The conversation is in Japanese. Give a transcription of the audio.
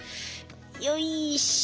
よいしょ。